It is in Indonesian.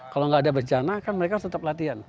kalau nggak ada bencana kan mereka harus tetap latihan